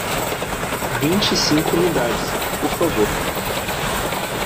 Vinte e cinco unidades, por favor.